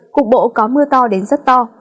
cục bộ có mưa to đến rất to